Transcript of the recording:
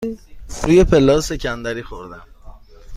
روی پله ها سکندری خوردم.